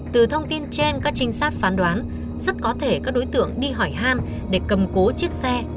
từ thông tin trên các trinh sát phán đoán rất có thể các đối tượng đi hỏi han để cầm cố chiếc xe